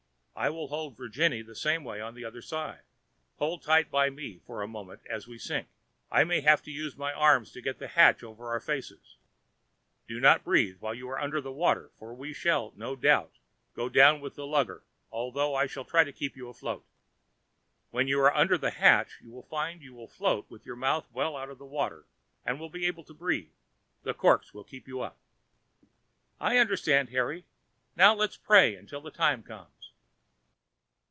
I will hold Virginie the same way the other side. Hold tight by me for a moment as we sink. I may have to use my arms to get the hatch over our faces. Do not breathe while you are under the water, for we shall, no doubt, go down with the lugger, although I shall try to keep you afloat. When you are under the hatch you will find you will float with your mouth well out of water, and will be able to breathe; the corks will keep you up." "I understand, Harry; now let us pray until the time comes."